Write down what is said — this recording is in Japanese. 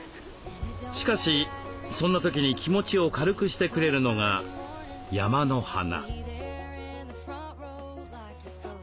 しかしそんな時に気持ちを軽くしてくれるのが山の花。